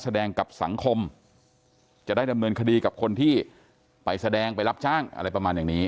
แสดงกับสังคมจะได้ดำเนินคดีกับคนที่ไปแสดงไปรับจ้างอะไรประมาณอย่างนี้